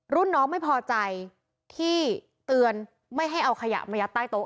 ร่วมน้อไม่พอใจที่เตือนไม่ให้เอาขยะใบ้ใต้โต๊ะ